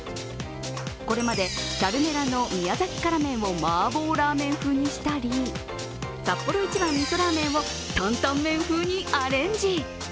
これまでチャルメラの宮崎辛麺をマーボーラーメン風にしたりサッポロ一番みそラーメンを担々麺風にアレンジ。